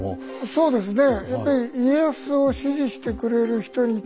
そうですね。